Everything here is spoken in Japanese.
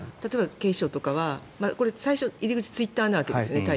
警視庁とかは大抵、入り口はツイッターなわけですよね。